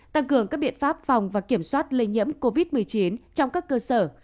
tăng cường các biện pháp phòng và kiểm soát lây nhiễm covid một mươi chín trong các cơ sở khám chữa bệnh